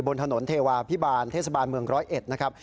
บนถนนเทวาพิบาลเทศบาลเมืองร้อยเอ็ดนะครับ